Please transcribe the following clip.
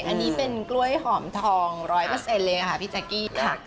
อันนี้เป็นกล้วยหอมทอง๑๐๐เลยค่ะพี่แจ๊กกี้ค่ะ